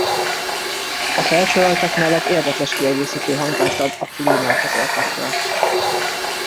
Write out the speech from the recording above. A felsoroltak mellett érdekes kiegészítő hangzást ad a Flea Market Orchestra.